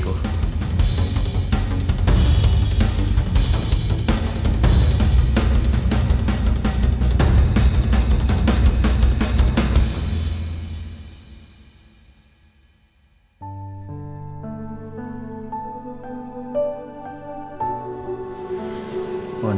kau kacau dikacauin